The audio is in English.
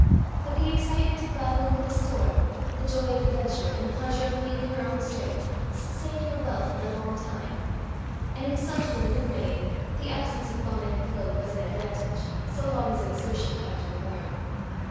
But the excitement of battling with the storm, the joy of adventure, and the pleasure of feeling her own strength, sustained her well for a long time; and in such wind and rain, the absence of bonnet and cloak was an advantage, so long as exertion kept her warm.